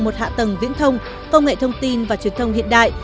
một hạ tầng viễn thông công nghệ thông tin và truyền thông hiện đại